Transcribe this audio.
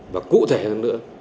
và cụ thể hơn nữa